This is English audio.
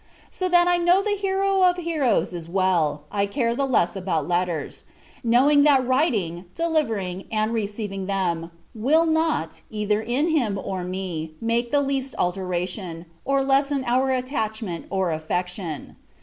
So that I know the Hero of heroes is well, I care the less about letters; knowing that writing, delivering, or receiving them, will not, either in him or me, make the least alteration, or lessen our attachment or affection.